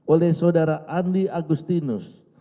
oleh saudara andi agustinus